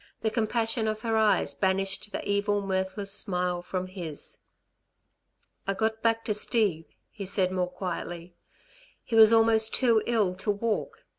The compassion of her eyes banished the evil, mirthless smile from his. "I got back to Steve," he said more quietly. "He was almost too ill to walk.